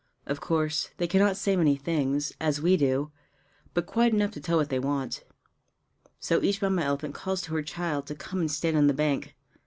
Of course they cannot say many things, as we do, but quite enough to tell what they want. So each Mamma elephant calls to her child to come and stand on the bank.